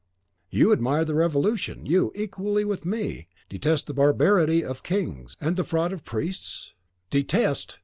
You admire the Revolution; you, equally with me, detest the barbarity of kings and the fraud of priests?" "Detest!